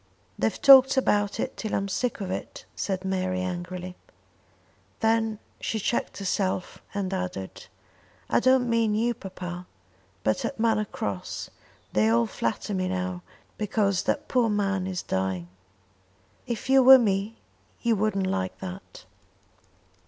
"They've talked about it till I'm sick of it," said Mary angrily. Then she checked herself and added "I don't mean you, papa; but at Manor Cross they all flatter me now, because that poor man is dying. If you were me you wouldn't like that."